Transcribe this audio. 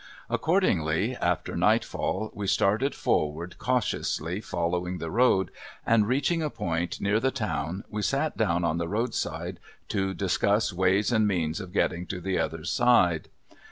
Accordingly after nightfall, we started forward cautiously following the road, and reaching a point near the town we sat down on the roadside to discuss ways and means of getting to the other side.